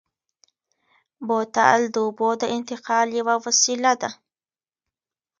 بوتل د اوبو د انتقال یوه وسیله ده.